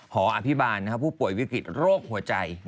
อภิบาลผู้ป่วยวิกฤตโรคหัวใจ